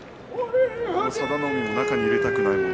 佐田の海も中に入れたくないもん